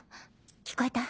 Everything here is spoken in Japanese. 聞こえた？